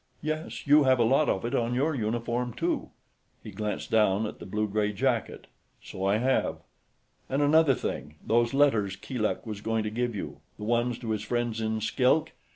"Yes. You have a lot of it on your uniform, too." He glanced down at the blue gray jacket. "So I have. And another thing. Those letters Keeluk was going to give you, the ones to his friends in Skilk.